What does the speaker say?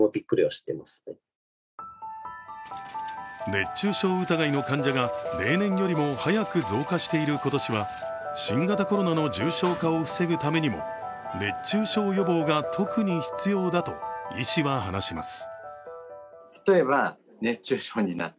熱中症疑いの患者が例年よりも早く増加している今年は、新型コロナの重症化を防ぐためにも熱中症予防が特に必要だと医師は話します。